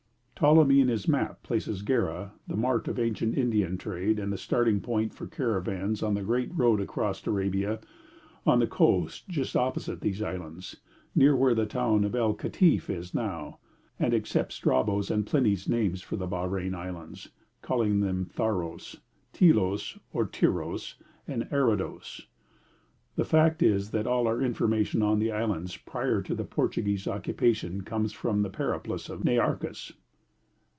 Ptolemy in his map places Gerrha, the mart of ancient Indian trade and the starting point for caravans on the great road across Arabia, on the coast just opposite the islands, near where the town of El Katif now is, and accepts Strabo's and Pliny's names for the Bahrein Islands, calling them Tharros, Tylos or Tyros, and Arados. The fact is that all our information on the islands prior to the Portuguese occupation comes from the Periplus of Nearchus.